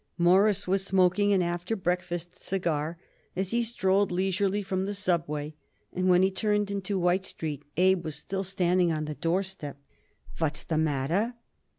Morris was smoking an after breakfast cigar as he strolled leisurely from the subway, and when he turned into White Street Abe was still standing on the doorstep. "What's the matter?"